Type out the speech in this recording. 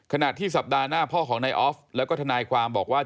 ขณะที่สัปดาห์หน้าพ่อของนายออฟแล้วก็ทนายความบอกว่า